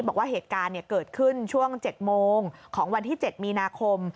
บอกว่าเหตุการณ์เกิดขึ้นช่วง๗โมงของวันที่๗มีนาคม